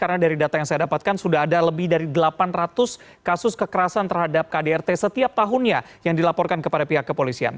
karena dari data yang saya dapatkan sudah ada lebih dari delapan ratus kasus kekerasan terhadap kdrt setiap tahunnya yang dilaporkan kepada pihak kepolisian